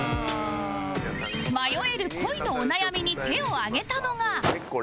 迷える恋のお悩みに手を挙げたのが